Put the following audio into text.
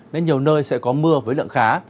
nên nhiều nơi sẽ có mưa với lượng khá